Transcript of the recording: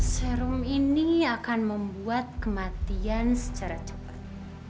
serum ini akan membuat kematian secara cepat